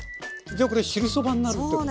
じゃあこれ汁そばになるってこと？